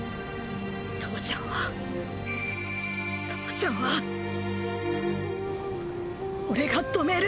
父ちゃんは父ちゃんは俺が止める。